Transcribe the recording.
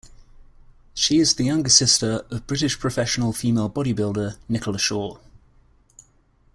She is the younger sister of British professional female bodybuilder Nicola Shaw.